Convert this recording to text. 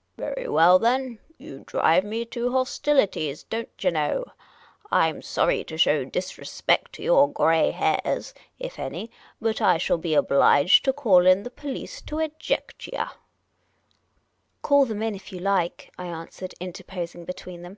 " Very well, then ; you drive me to hostilities, don't yah know. I 'm sorry to show disrespect to your grey hairs — if any — but I shall be obliged to call in the police to eject yah." " Call them in if you like," I answered, interposing be tween them.